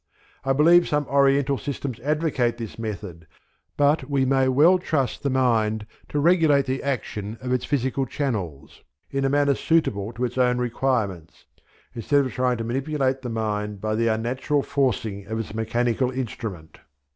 I believe some Oriental systems advocate this method, but we may well trust the mind to regulate the action of its physical channels in a manner suitable to its own requirements, instead of trying to manipulate the mind by the unnatural forcing of its mechanical instrument.